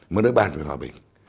một nơi bàn về hòa bình